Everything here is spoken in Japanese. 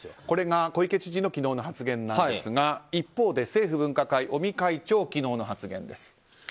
これが小池知事の昨日の発言なんですが一方で、政府分科会の尾身会長昨日の発言です。